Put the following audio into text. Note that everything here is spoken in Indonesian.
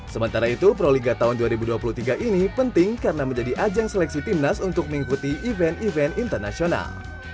sementara itu proliga tahun dua ribu dua puluh tiga ini penting karena menjadi ajang seleksi timnas untuk mengikuti event event internasional